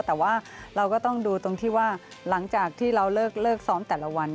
แต่ว่าเราก็ต้องดูตรงที่ว่าหลังจากที่เราเลิกซ้อมแต่ละวัน